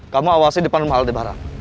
kamu awasi depan mahal debarang